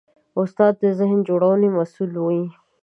استاد د ذهن جوړونې مسوول وي.